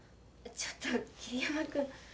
ちょっと霧山君。